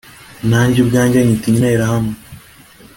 nanjye ubwanjye anyita interahamwe